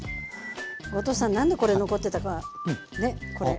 後藤さん何でこれ残ってたかねこれ。